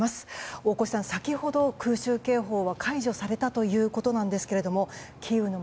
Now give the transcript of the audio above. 大越さん、先ほど空襲警報が解除されたということなんですがキーウの街